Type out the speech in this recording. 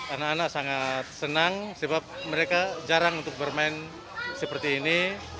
anak anak sangat senang sebab mereka jarang untuk bermain seperti ini